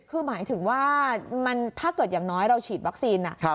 คือหมายถึงว่าถ้าเกิดอย่างน้อยเราฉีดวัคซีน